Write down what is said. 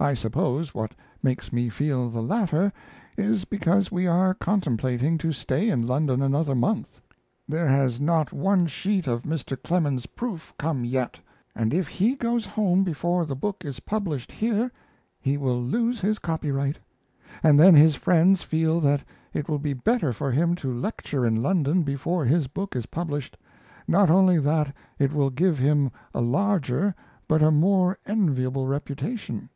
I suppose what makes me feel the latter is because we are contemplating to stay in London another month. There has not one sheet of Mr. Clemens's proof come yet, and if he goes home before the book is published here he will lose his copyright. And then his friends feel that it will be better for him to lecture in London before his book is published, not only that it will give him a larger but a more enviable reputation.